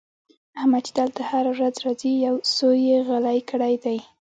احمد چې دلته هره ورځ راځي؛ يو سوی يې غلی کړی دی.